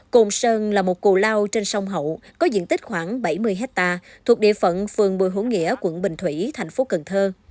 cồn sơn là một cù lao trên sông hậu có diện tích khoảng bảy mươi hectare thuộc địa phận phường bùi hữu nghĩa quận bình thủy thành phố cần thơ